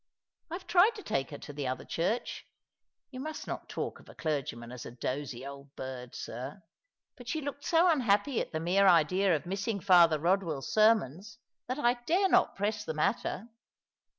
" I have tried to take her to the other church— you must not talk of a clergyman as a dozy old bird, sir — but she looked so unhappy at the mere idea of missing Father Eodwell's sermons that I dare not press the matter.